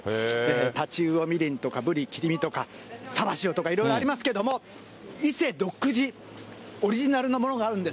太刀魚みりんとか、ブリ切り身とかサバ塩とかいろいろありますけど、伊勢独自、オリジナルのものがあるんです。